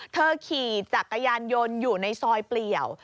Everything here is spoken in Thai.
ขี่จักรยานยนต์อยู่ในซอยเปลี่ยว